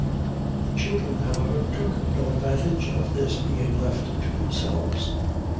The children, however, took no base advantage of this being left to themselves.